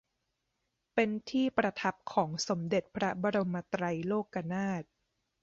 เป็นที่ประทับของสมเด็จพระบรมไตรโลกนาถ